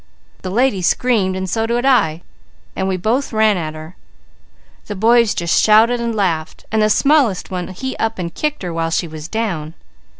_ The lady screamed, and so did I, and we both ran at her. The boys just shouted and laughed and the smallest one he up and kicked her while she was down.